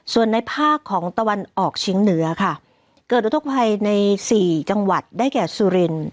ส่วนในภาคของตะวันออกเชียงเหนือค่ะเกิดอุทธกภัยในสี่จังหวัดได้แก่สุริน